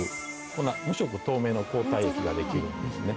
こんな無色透明の抗体液ができるんですね。